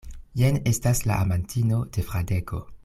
Jen estas la amantino de Fradeko.